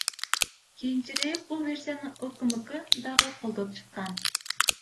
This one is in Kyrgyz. Кийинчерээк бул версияны УКМК дагы колдоп чыккан.